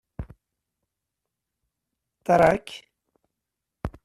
Tra-k!